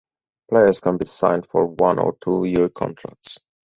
Players can be signed for one or two year contracts.